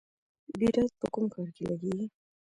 بیرایت په کوم کار کې لګیږي؟